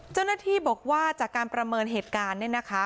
เจ้าหน้าที่บอกว่าจากการประเมินเหตุการณ์เนี่ยนะคะ